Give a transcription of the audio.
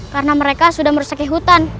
karena mereka sudah merusak ke hutan